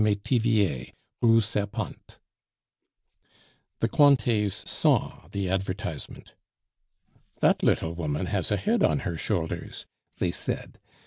Metivier, Rue Serpente." The Cointets saw the advertisement. "That little woman has a head on her shoulders," they said.